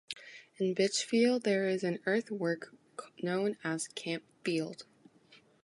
In Bitchfield there is an earthwork known as Camp Field.